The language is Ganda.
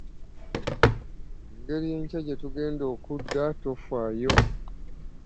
Engeri enkya gye tugenda okudda tofaayo.